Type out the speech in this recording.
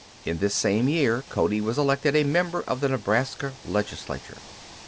In this same year Cody was elected a member of the Nebraska Legislature.